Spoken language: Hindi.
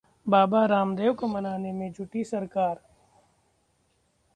बाबा रामदेव को मनाने में जुटी सरकार